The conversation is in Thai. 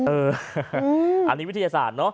อันนี้วิทยาศาสตร์เนอะ